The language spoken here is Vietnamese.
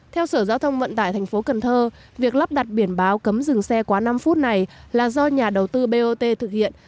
theo sở giao thông vận tải tp cần thơ việc lắp đặt biển báo cấm rừng xe quá năm phút này là do nhà đầu tư bot thực hiện